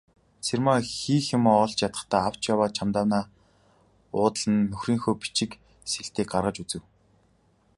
Цэрмаа хийх юмаа олж ядахдаа авч яваа чемоданаа уудлан нөхрийнхөө бичиг сэлтийг гаргаж үзэв.